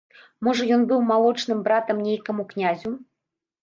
Можа, ён быў малочным братам нейкаму князю?